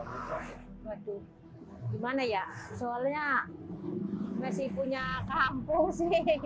gimana ya soalnya masih punya kampus